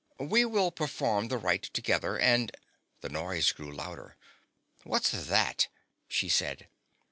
"We will perform the rite together and " The noise grew louder. "What's that?" she said.